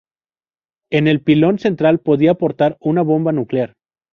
En el pilón central podía portar una bomba nuclear.